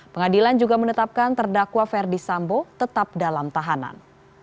pengadilan juga menetapkan terdakwa ferdi sambo tetap dalam tahanan